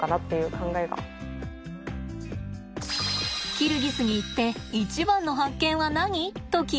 キルギスに行って一番の発見は何？と聞いたところ。